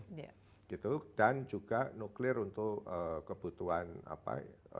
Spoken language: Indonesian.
gitu dan juga nuklir untuk kebutuhan apa ya